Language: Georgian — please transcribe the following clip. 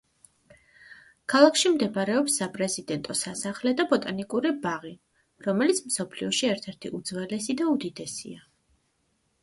ქალაქში მდებარეობს საპრეზიდენტო სასახლე და ბოტანიკური ბაღი, რომელიც მსოფლიოში ერთ–ერთი უძველესი და უდიდესია.